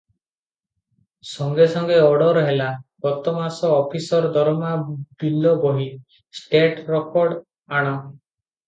ସଙ୍ଗେ ସଙ୍ଗେ ଅଡର୍ ହେଲା- ଗତ ମାସ ଅଫିସର ଦରମା ବିଲ ବହି- ଷ୍ଟେଟ ରୋକଡ୍ ଆଣ?